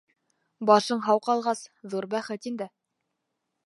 Башың һау ҡалғас, ҙур бәхет инде.